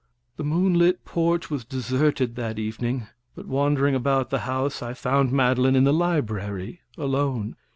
The moonlit porch was deserted that evening, but wandering about the house I found Madeline in the library alone.